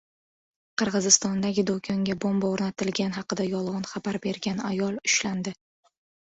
Qirg‘izistondagi do‘konga bomba o‘rnatilgani haqida yolg‘on xabar bergan ayol ushlandi